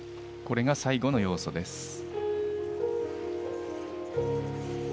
これが最後の要素です。